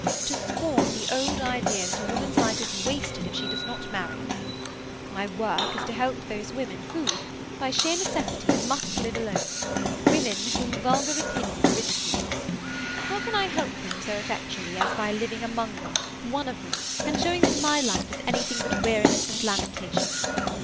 "To scorn the old idea that a woman's life is wasted if she does not marry. My work is to help those women who, by sheer necessity, must live alone—women whom vulgar opinion ridicules. How can I help them so effectually as by living among them, one of them, and showing that my life is anything but weariness and lamentation?